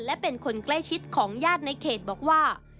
และเป็นคนใกล้ชิดของญาติในเขตบอกว่า